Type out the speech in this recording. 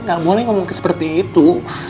gak boleh ngomong seperti itu